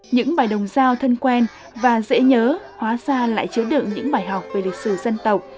những bài đồng giao thân quen và dễ nhớ hóa ra lại chứa đựng những bài học về lịch sử dân tộc